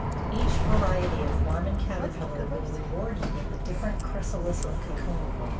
Each variety of worm and caterpillar will reward you with a different chrysalis or cocoon.